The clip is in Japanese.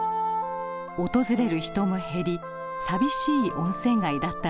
訪れる人も減り寂しい温泉街だったのです。